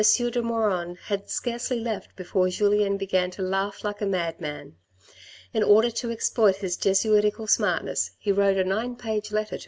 de Maugiron had scarcely left before Julien began to laugh like a madman. In order to exploit his Jesuitical smartness, he wrote a nine page letter to M.